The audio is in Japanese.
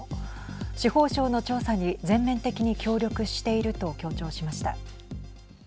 司法省の調査に全面的に協力していると強調しました。